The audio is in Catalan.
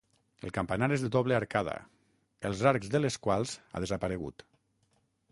El campanar és de doble arcada, els arcs de les quals ha desaparegut.